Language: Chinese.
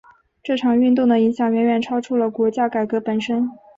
这场运动的影响远远超出了国教改革本身。